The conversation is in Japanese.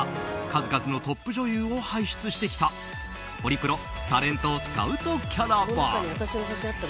数々のトップ女優を輩出してきたホリプロタレントスカウトキャラバン。